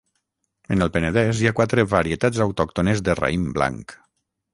En el Penedès hi ha quatre varietats autòctones de raïm blanc.